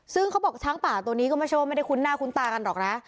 ซึ่งเขาบอกช้างป่าตัวนี้ก็ไม่ใช่ว่าไม่ได้คุ้นหน้าคุ้นตากันหรอกนะ